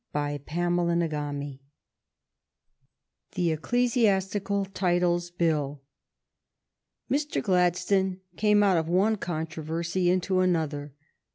CHAPTER XII THE ECCLESIASTICAL TITLES BILL Mr. Gladstone came out of one controversy into another.